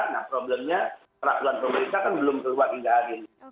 nah problemnya peraturan pemerintah kan belum keluar hingga hari ini